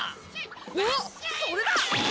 あっそれだ！